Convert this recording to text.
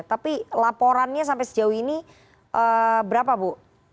tapi laporannya sampai sejauh ini berapa bu